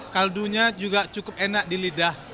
kaldu nya juga cukup enak di lidah